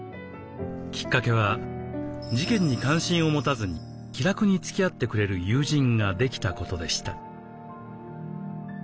きっかけは事件に関心を持たずに気楽につきあってくれる友人ができたことでした。